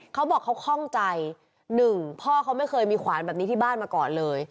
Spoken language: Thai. เขาบอกเขาคล่องใจหนึ่งพ่อเขาไม่เคยมีขวานแบบนี้ที่บ้านมาก่อนเลย